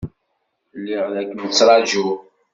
Lliɣ la kem-ttṛajuɣ.